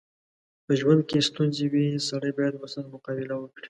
په ژوند کې ستونځې وي، سړی بايد ورسره مقابله وکړي.